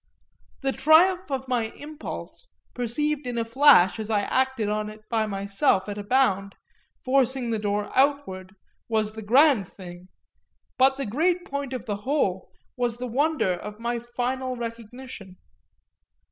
The triumph of my impulse, perceived in a flash as I acted on it by myself at a bound, forcing the door outward, was the grand thing, but the great point of the whole was the wonder of my final recognition.